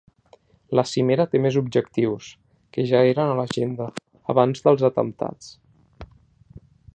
La cimera té més objectius, que ja eren a l’agenda abans dels atemptats.